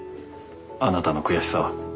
あなたの悔しさは。